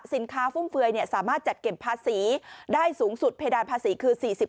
ฟุ่มเฟือยสามารถจัดเก็บภาษีได้สูงสุดเพดานภาษีคือ๔๐